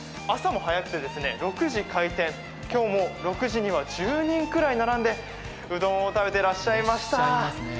朝も早くて６時開店、今日も６時には１０人ぐらい並んでうどんを食べてらっしゃいました。